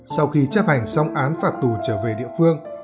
sau khi chấp hành xong án phạt tù trở về địa phương